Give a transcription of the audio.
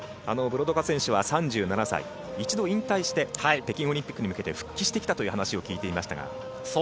ブロドカ選手は一度引退して北京オリンピックに向けて復帰してきたと聞いていましたが。